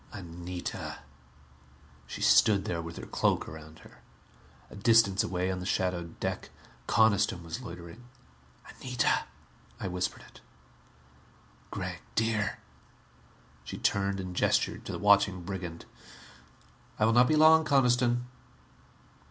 Anita! She stood there with her cloak around her. A distance away on the shadowed deck Coniston was loitering. "Anita!" I whispered it. "Gregg, dear!" She turned and gestured to the watching brigand. "I will not be long, Coniston."